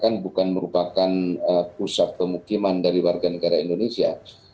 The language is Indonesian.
kan bukan merupakan pusat pemukiman dari warga negara indonesia